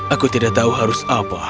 aku tidak tahu harus apa